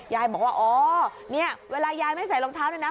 ยายบอกว่าอ๋อเนี่ยเวลายายไม่ใส่รองเท้าเนี่ยนะ